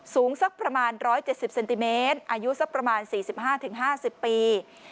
สูงสักประมาณ๑๗๐เซนติเมตรอายุสักประมาณ๔๕๕๐ปี